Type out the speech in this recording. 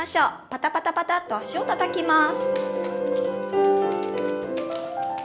パタパタパタッと脚をたたきます。